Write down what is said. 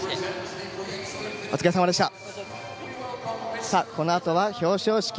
お疲れさまでした。